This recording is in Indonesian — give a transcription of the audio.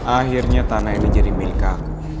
akhirnya tanah ini jadi milik aku